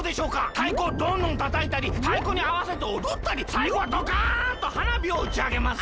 たいこをどんどんたたいたりたいこにあわせておどったりさいごはどかんとはなびをうちあげます。